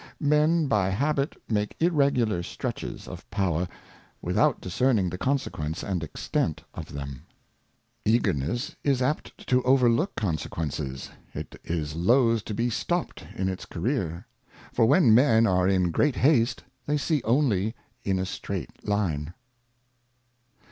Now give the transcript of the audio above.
Men by Habit make irregular Stretches of Power, without discerning the Consequence and Extent of them. Eagerness is apt to overlook Consequences, it is loth to be stopt in its Career ; for when Men are in great haste, they see only in a straight Line.